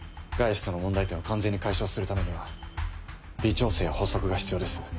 ガイストの問題点を完全に解消するためには微調整や補足が必要です。